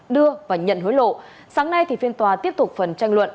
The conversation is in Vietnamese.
đưa và nhận hối lộ sáng nay thì phiên tòa tiếp tục phần tranh luận